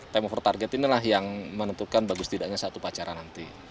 time over target inilah yang menentukan bagus tidaknya satu pacaran nanti